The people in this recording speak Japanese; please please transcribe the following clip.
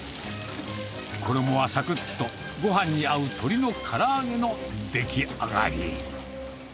衣はさくっと、ごはんに合う鶏のから揚げの出来上がり。